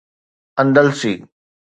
اندلسي